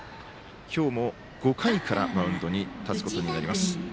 今日も、５回からマウンドに立つことになります。